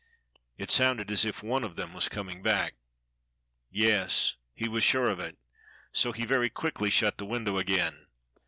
It sounded as if one of them was coming back. Yes, he was sure of it! So he very quickly shut the window again.